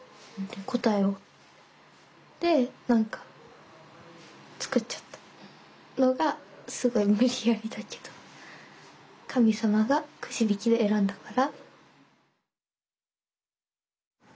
で何かつくっちゃったのがすごい無理やりだけど神さまがくじびきで選んだから。